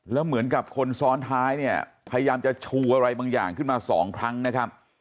แล้วเหมือนกับคนซ้อนท้ายเนี่ยพยายามจะชูอะไรบางอย่างขึ้นมาสองครั้งนะครับ